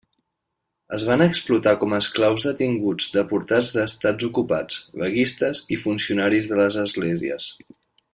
Es van explotar com esclaus detinguts deportats d'estats ocupats, vaguistes i funcionaris de les esglésies.